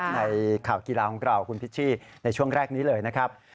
ในข่าวกีฬาของเราคุณพิชชี่ในช่วงแรกนี้เลยนะครับ